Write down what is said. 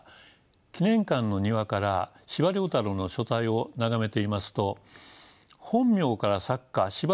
記念館の庭から司馬太郎の書斎を眺めていますと本名から作家司馬